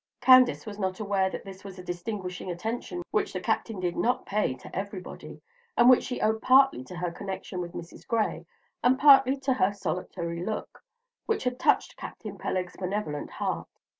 Candace was not aware that this was a distinguishing attention which the Captain did not pay everybody, and which she owed partly to her connection with Mrs. Gray and partly to her solitary look, which had touched Captain Peleg's benevolent heart.